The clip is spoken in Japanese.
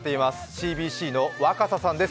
ＣＢＣの若狭さんです。